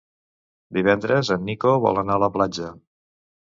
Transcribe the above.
Divendres en Nico vol anar a la platja.